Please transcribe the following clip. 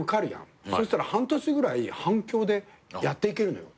そしたら半年ぐらい反響でやっていけるのよ。